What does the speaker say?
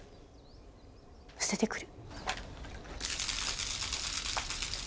捨ててくる。